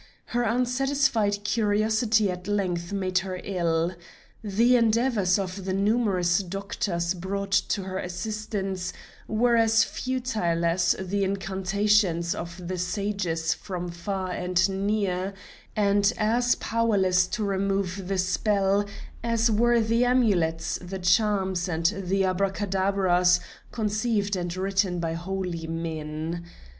Her unsatisfied curiosity at length made her ill. The endeavors of the numerous doctors brought to her assistance were as futile as the incantations of the sages from far and near, and as powerless to remove the spell as were the amulets, the charms, and the abracadabras conceived and written by holy men.